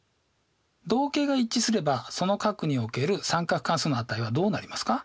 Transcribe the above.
動径が一致すればその角における三角関数の値はどうなりますか？